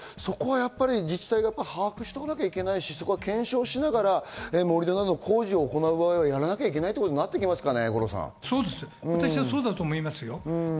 そこは、やっぱり自治体が把握しておかないといけないし、検証しながら盛り土など工事を行う場合はやらなきゃいけないっていうことになってきますかね。